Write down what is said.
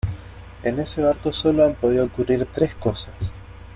en ese barco solo han podido ocurrir tres cosas.